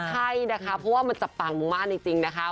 ใช่นะคะเพราะว่ามันจะปังมากจริงนะคะ